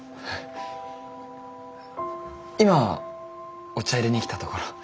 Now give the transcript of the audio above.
今お茶いれに来たところ。